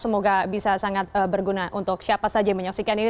semoga bisa sangat berguna untuk siapa saja yang menyaksikan ini